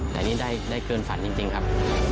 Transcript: แต่นี่ได้เกินฝันจริงครับ